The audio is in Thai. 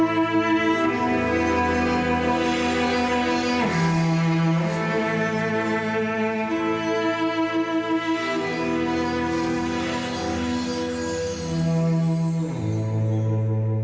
โปรดติดตามตอนต่อไป